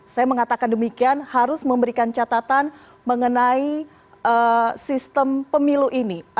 saya mengatakan demikian harus memberikan catatan mengenai sistem pemilu ini